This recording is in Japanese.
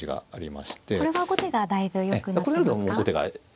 これは後手がだいぶよくなってますか。